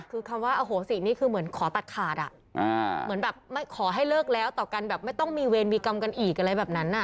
คือคำว่าอโหสินี่คือเหมือนขอตัดขาดเหมือนแบบไม่ขอให้เลิกแล้วต่อกันแบบไม่ต้องมีเวรมีกรรมกันอีกอะไรแบบนั้น